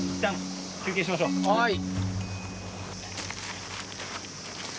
はい。